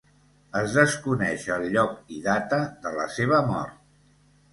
Es desconeix el lloc i data de la seva mort.